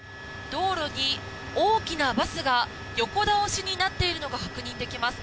道路に大きなバスが横倒しになっているのが確認できます。